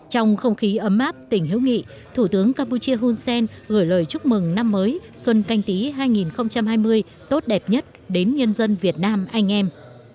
trong không khí ấm áp tỉnh hiếu nghị thủ tướng campuchia hun sen gửi lời chúc mừng năm mới xuân canh tí hai nghìn hai mươi tốt đẹp nhất đến nhân dân việt nam anh em